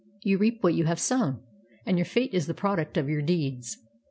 You reap what you have sown, and your fate is the product of your deeds.